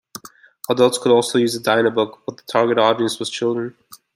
Adults could also use a Dynabook, but the target audience was children.